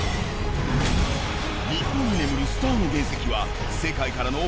日本に眠るスターの原石は世界からのお！